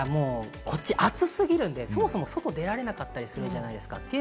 こっち暑すぎるんで、そもそも外から出られなかったりするじゃないですか。